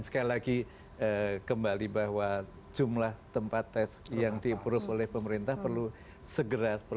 sekali lagi kembali bahwa jumlah tempat tes yang di approve oleh pemerintah perlu segera